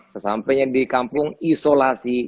sesampainya di kampung isolasi